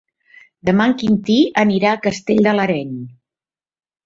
Demà en Quintí anirà a Castell de l'Areny.